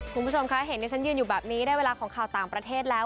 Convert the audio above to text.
คุณผู้ชมคะเห็นที่ฉันยืนอยู่แบบนี้ได้เวลาของข่าวต่างประเทศแล้ว